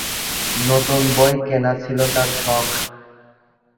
নতুন বই কেনা ছিল তার শখ।